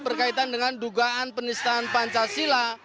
berkaitan dengan dugaan penistaan pancasila